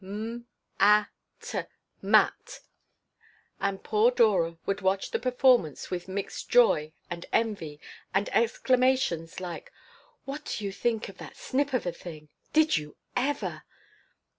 M a t mat." And poor Dora would watch the performance with mixed joy and envy and exclamations like: "What do you think of that snip of a thing! Did you ever?"